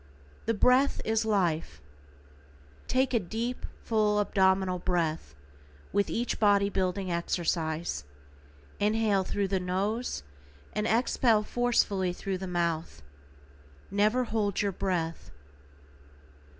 =THE BREATH IS LIFE:= Take a deep, full, abdominal breath with each body building exercise, inhale through the nose and expel forcefully through the mouth. NEVER HOLD YOUR BREATH.